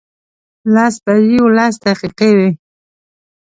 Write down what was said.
لس بجې لس دقیقې وې.